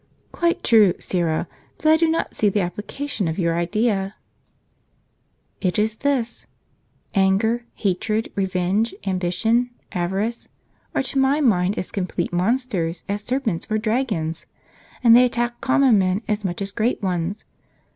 " Quite true, Syra ; but I do not see the application of your idea." "It is this: anger, hatred, revenge, ambition, avarice, are to my mind as complete monsters as serpents or dragons ; and they attack common men as much as great ones.